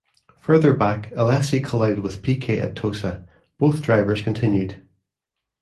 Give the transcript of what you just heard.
Further back, Alesi collided with Piquet at Tosa; both drivers continued.